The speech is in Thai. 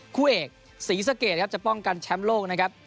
คู่เอกศรีสะเกดครับจะป้องกันแชมป์โลกนะครับ